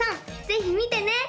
ぜひ見てね！